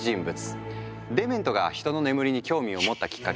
デメントが人の眠りに興味を持ったきっかけは１９５２年。